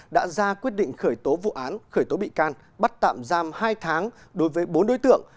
đã ra quyết định khởi tố vụ án khởi tố bị can bắt tạm giam hai tháng đối với bốn đối tượng